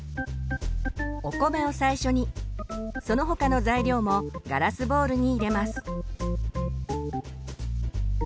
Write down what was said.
お米を最初にその他の材料もガラスボウルに入れます。